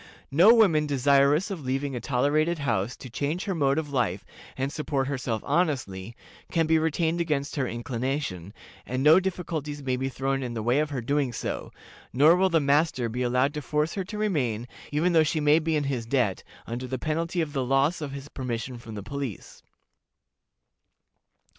No woman desirous of leaving a tolerated house to change her mode of life, and support herself honestly, can be retained against her inclination, and no difficulties may be thrown in the way of her doing so; nor will the master be allowed to force her to remain, even though she may be in his debt, under the penalty of the loss of his permission from the police.